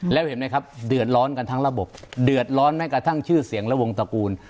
แล้วเห็นไหมครับเดือดร้อนกันทั้งระบบเดือดร้อนแม้กระทั่งชื่อเสียงและวงตระกูล